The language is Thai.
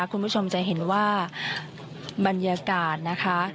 คุณผู้ชมจะเห็นว่าบรรยากาศนะคะ